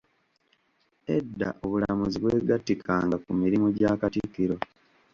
Edda obulamuzi bwegattikanga ku mirimu gya Katikkiro.